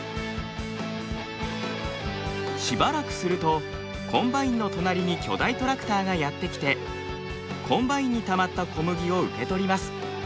しばらくするとコンバインの隣に巨大トラクターがやって来てコンバインにたまった小麦を受け取ります。